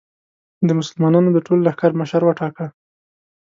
د مسلمانانو د ټول لښکر مشر وټاکه.